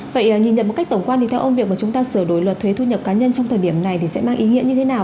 vậy nhìn nhận một cách tổng quan thì theo ông việc mà chúng ta sửa đổi luật thuế thu nhập cá nhân trong thời điểm này thì sẽ mang ý nghĩa như thế nào